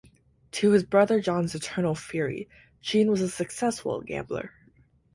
To his brother John's eternal fury, Gene was a successful gambler.